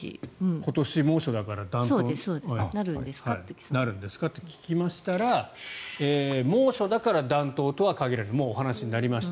今年猛暑だから暖冬になるんですかと猛暑だから暖冬とは限らないとお話になりました。